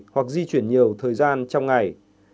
hoặc di chuyển nhiều thời gian trong ngày